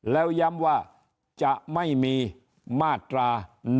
แล้วย้ำว่าจะไม่มีมาตรา๑๑